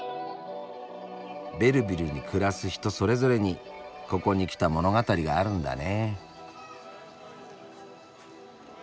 ベルヴィルに暮らす人それぞれにここに来た物語があるんだね。